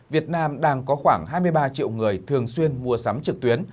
việt nam đang có khoảng hai mươi ba triệu người thường xuyên mua sắm trực tuyến